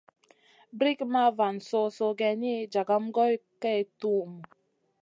Brikŋa van so-soh geyni, jagam goy kay tuhmu.